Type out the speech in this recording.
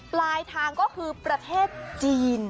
ปลายทางก็คือประเทศจีน